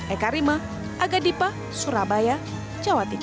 eka rima aga dipa surabaya jawa timur